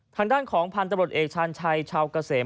ทางด้านของพันธุ์ตำรวจเอกชาญชัยชาวเกษม